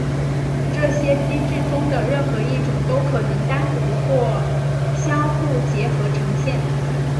这些机制中的任何一种都可能单独或相互结合呈现。